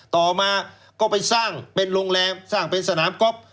ต่อมาก็ไปสร้างเป็นโรงแรมสร้างเป็นสนามก๊อฟ